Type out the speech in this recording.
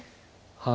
はい。